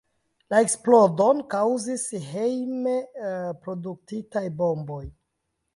La eksplodon kaŭzis hejm-produktitaj bomboj.